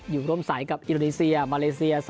อยู่ร่วมสายกับอินโดนีเซียมาเลเซีย